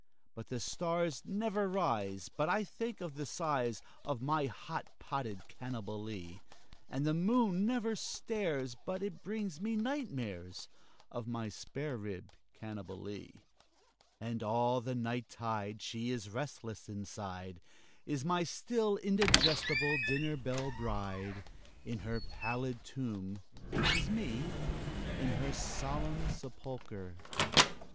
But the stars never rise but I think of the size Of my hot potted Cannibalee, And the moon never stares but it brings me nightmares Of my spare rib Cannibalee; And all the night tide she is restless inside, Is my still indigestible dinner belle bride, In her pallid tomb, which is Me, In her solemn sepulcher, Me.